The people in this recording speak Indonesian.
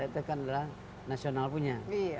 itu kan adalah nasional punya